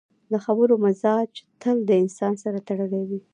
د خبرو مزاج تل د انسان سره تړلی وي